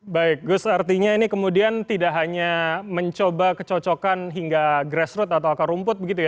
baik gus artinya ini kemudian tidak hanya mencoba kecocokan hingga grassroot atau akar rumput begitu ya